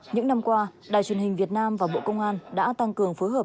những năm qua đài truyền hình việt nam và bộ công an đã tăng cường phối hợp